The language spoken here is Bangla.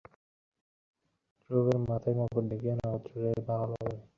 ধ্রুবের মাথায় মুকুট দেখিয়া নক্ষত্ররায়ের ভালো লাগে নাই।